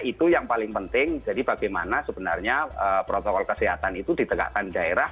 itu yang paling penting jadi bagaimana sebenarnya protokol kesehatan itu ditegakkan daerah